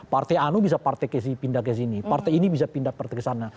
partai anu bisa partai ke sini partai ini bisa pindah ke sana